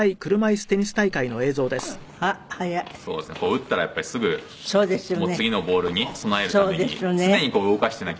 打ったらやっぱりすぐもう次のボールに備えるために常に動かしてなきゃいけない。